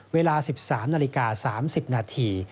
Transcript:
เวลา๑๓นาฬิกา๓๐นาที